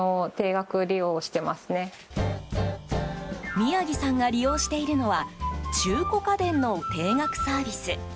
宮城さんが利用しているのは中古家電の定額サービス。